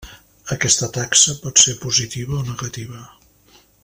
Aquesta taxa pot ser positiva o negativa.